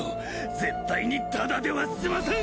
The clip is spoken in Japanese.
絶対にタダでは済まさん！